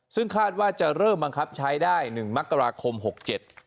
ซึ่งคาดว่าจะเริ่มบังคับใช้ได้หนึ่งมกราคมหกเจ็ด